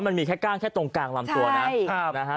มันมีแค่ก้างแค่ตรงกลางลำตัวนะนะฮะ